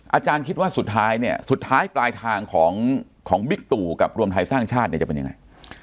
อาจารย์คิดว่าสุดท้ายปลายทางของวิกตุกับรวมไทยสร้างชาติจะเป็นยังไง